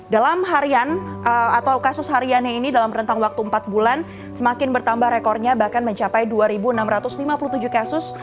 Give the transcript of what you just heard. dalam harian atau kasus hariannya ini dalam rentang waktu empat bulan semakin bertambah rekornya bahkan mencapai dua enam ratus lima puluh tujuh kasus